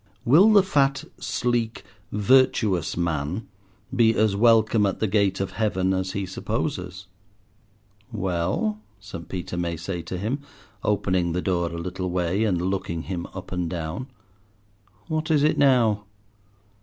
Will the fat, sleek, "virtuous" man be as Welcome at the gate of heaven as he supposes? "Well," St. Peter may say to him, opening the door a little way and looking him up and down, "what is it now?"